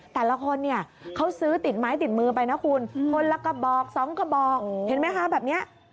แต่ละคนเนี่ยเขาซื้อติดไม้ติดมือไปนะคุณคนละกระบอกสองกระบอกเห็นไหมคะแบบนี้